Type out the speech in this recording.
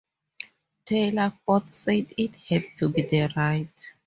Taylforth said it had to be right.